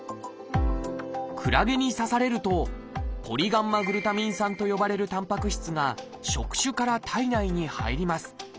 クラゲに刺されると「ポリガンマグルタミン酸」と呼ばれるたんぱく質が触手から体内に入ります。